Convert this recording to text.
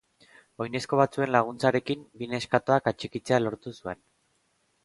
Oinezko batzuen laguntzarekin, bi neskatoak atxikitzea lortu zuen.